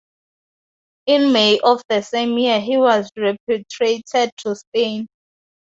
In May of the same year he was repatriated to Spain.